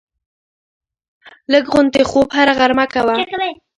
لږ غوندې خوب هره غرمه کومه